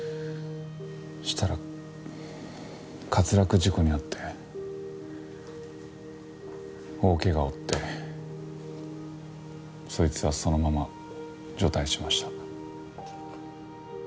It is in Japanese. そしたら滑落事故に遭って大怪我を負ってそいつはそのまま除隊しました。